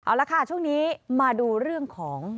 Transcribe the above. เอาละค่ะช่วงนี้มาดูเรื่องของ